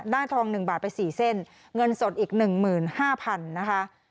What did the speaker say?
ได้ทองหนึ่งบาทไปสี่เส้นเงินสดอีกหนึ่งหมื่นห้าพันนะคะ